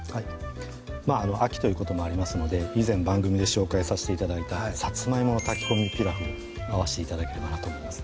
まぁ秋ということもありますので以前番組で紹介させて頂いた「さつまいもの炊き込みピラフ」を合わせて頂ければなと思います